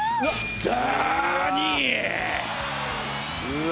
うわ。